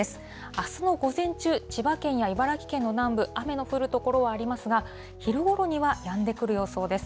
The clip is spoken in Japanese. あすの午前中、千葉県や茨城県の南部、雨の降る所はありますが、昼ごろにはやんでくる予想です。